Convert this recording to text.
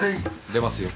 出ますよ。